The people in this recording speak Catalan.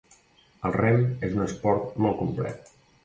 El rem és un esport molt complet.